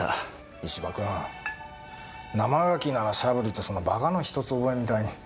石場君生ガキなら「シャブリ」ってそんな「バカの一つ覚え」みたいに。